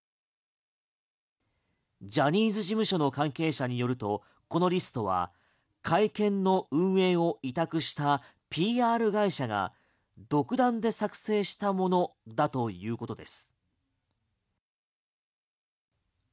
ジャニーズ事務所の関係者によるとこのリストは会見の運営を委託したＰＲ会社が独断で作成したものだということです。